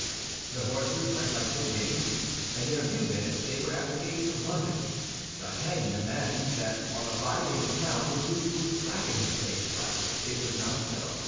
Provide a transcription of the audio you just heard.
The horses went like the wind, and in a few minutes they were at the gates of London. D'Artagnan imagined that on arriving in town the duke would slacken his pace, but it was not so.